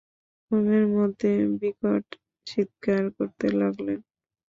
ঘুমের মধ্যেই বিকট চিৎকার করতে লাগলেন।